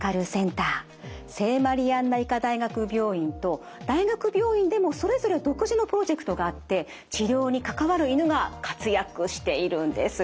聖マリアンナ医科大学病院と大学病院でもそれぞれ独自のプロジェクトがあって治療に関わる犬が活躍しているんです。